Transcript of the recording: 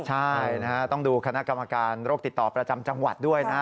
ใช่นะฮะต้องดูคณะกรรมการโรคติดต่อประจำจังหวัดด้วยนะ